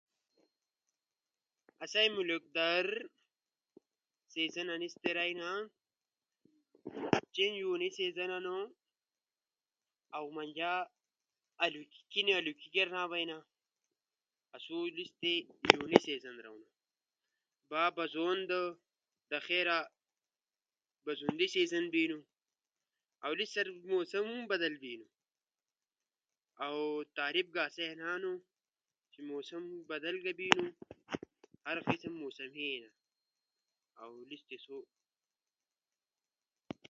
آسئی ملک در سیزن انیس کئی رزنا۔ چین یو انیس سیزن ہنو۔ اؤ منجا چین الو چینجا بئینا۔ آسو لیس تی یو انا سیزن رونا۔